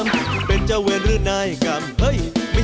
แบบนี้ก็ได้